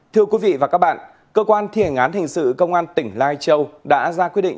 thưa quý vị và các bạn cơ quan thi hành án hình sự công an tỉnh lai châu đã ra quyết định